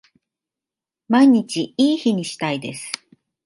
毎日いい日にしたいです